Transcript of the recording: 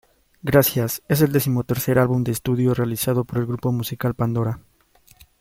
Gracias es el decimotercer álbum de estudio realizado por el grupo musical Pandora.